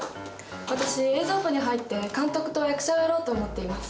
私映像部に入って監督と役者をやろうと思っています。